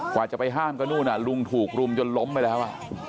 กว่าจะไปห้ามก็นู่นลุงถูกรุมจนล้มไปแล้ว